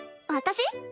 私？